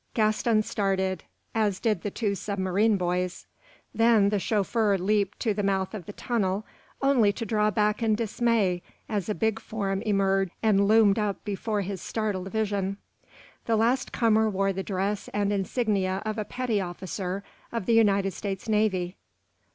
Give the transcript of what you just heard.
Gaston started, as did the two submarine boys. Then the chauffeur leaped to the mouth of the tunnel, only to draw back in dismay as a big form emerged and loomed up before his startled vision. The last comer wore the dress and insignia of a petty officer of the United States Navy.